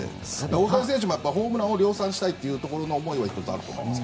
大谷選手もホームランを量産したいというところの思いは１つあると思います。